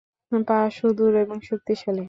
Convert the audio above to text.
পা সুদৃঢ় এবং শক্তিশালী।